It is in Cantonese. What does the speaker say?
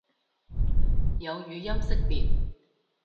有語音識別